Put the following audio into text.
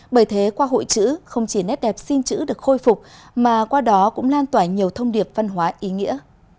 bởi thế qua hội chữ không chỉ nét đẹp xin chữ được khôi phục mà qua đó cũng lan tỏa nhiều thông điệp văn hóa ý nghĩa